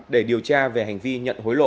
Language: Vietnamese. để điều tra về hành vi nhận hối lộ